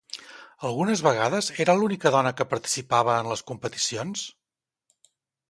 Algunes vegades era l'única dona que participava en les competicions?